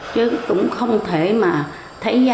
chứ cũng không thể mà thấy giá